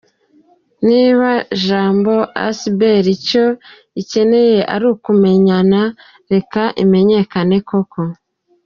Niba Jambo Asbl icyo ikeneye ari ukumenyekana, reka imenyekane koko.